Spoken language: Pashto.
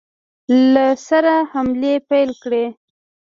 له سره حملې پیل کړې.